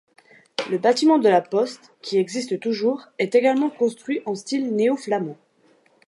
Le bâtiment de la poste, qui existe toujours, est également construit en style néo-flamand.